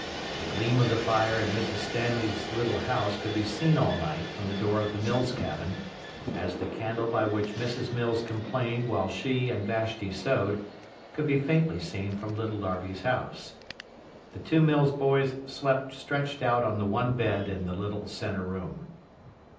The gleam of the fire in Mrs. Stanley's little house could be seen all night from the door of the Mills cabin, as the candle by which Mrs. Mills complained while she and Vashti sewed, could be faintly seen from Little Darby's house. The two Mills boys slept stretched out on the one bed in the little centre room.